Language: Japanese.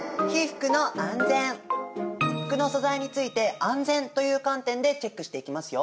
服の素材について安全という観点でチェックしていきますよ。